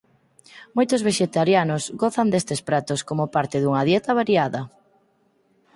Moitos vexetarianos gozan destes pratos como parte dunha dieta variada.